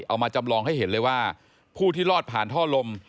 เอามาจำลองให้เห็นเลยว่าผู้ที่รอดผ่านท่อลม